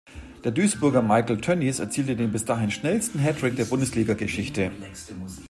Der Duisburger Michael Tönnies erzielte den bis dahin schnellsten Hattrick der Bundesligageschichte.